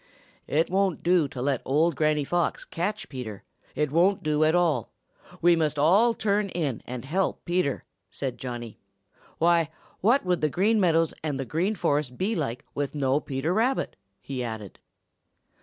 "It won't do to let old Granny Fox catch Peter. It won't do at all. We must all turn in and help Peter," said Johnny. "Why, what would the Green Meadows and the Green Forest be like with no Peter Rabbit?" he added.